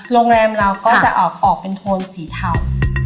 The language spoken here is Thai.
โรงแรมเราก็จะออกเป็นโทนสีเทา